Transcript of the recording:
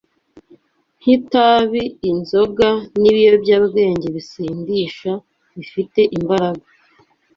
nk’itabi, inzoga, n’ibinyobwa bisindisha bifite imbaraga